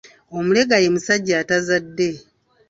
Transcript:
Omulega ye musajja atazadde